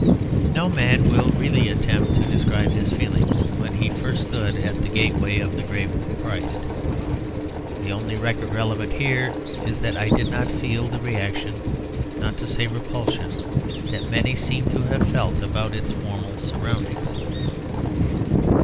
No man will really attempt to describe his feelings, when he first stood at the gateway of the grave of Christ. The only record relevant here is that I did not feel the reaction, not to say repulsion, that many seem to have felt about its formal surroundings.